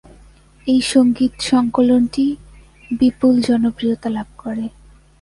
এই সঙ্গীত-সঙ্কলনটি বিপুল জনপ্রিয়তা লাভ করে।